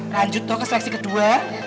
lanjut tuh ke seleksi kedua